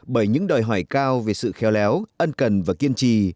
bởi những đòi hỏi cao về sự khéo léo ân cần và kiên trì